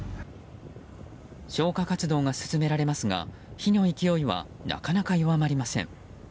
消火活動が進められますが火の勢いはなかなか弱まりません。